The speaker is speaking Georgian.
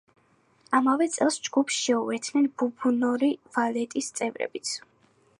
იმავე წელს ჯგუფს შეუერთდნენ „ბუბნოვი ვალეტის“ წევრებიც.